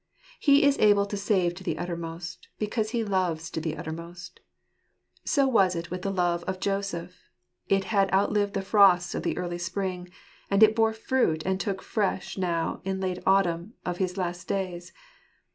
He is able to save to the uttermost, because He loves to the uttermost. So was it with the love of Joseph ; it had outlived the frosts of the early spring, and it bore fruit and looked fresh now in the late autumn of his last days.